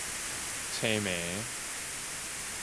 青盲